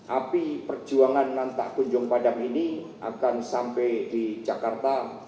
api perjuangan nantak kunjung padam ini akan sampai di jakarta